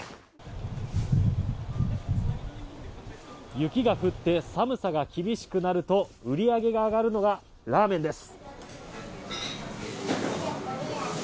雪が降って寒さが厳しくなると売り上げが上がるのがラーメンです。